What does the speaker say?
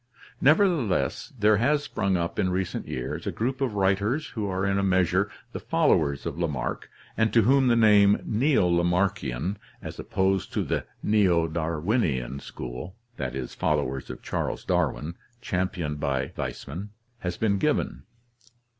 Nevertheless there has sprung up in recent years a group of writers who are in a measure the followers of Lamarck and to whom the name Neo Lamarckian, as opposed to the Neo Darwinian school (followers of Charles Darwin, championed by Weismann), has been given.